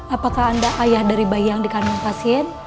apakah anda ayah dari bayi yang dikandung pasien